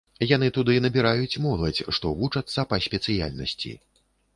Яны туды набіраюць моладзь, што вучацца па спецыяльнасці.